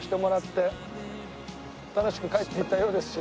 楽しく帰っていったようですし。